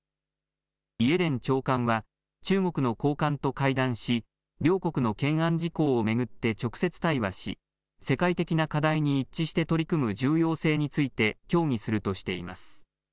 イエレン長官は中国の高官と会談し両国の懸案事項を巡って直接対話し世界的な課題に一致して取り組む重要性について協議するとしています。